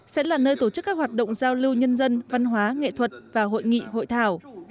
sẽ là nơi tổ chức các hoạt động giao lưu nhân dân văn hóa nghệ thuật và hội nghị hội thảo